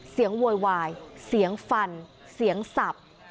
โวยวายเสียงฟันเสียงสับ